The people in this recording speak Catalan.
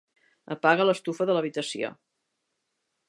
Apaga l'estufa de l'habitació.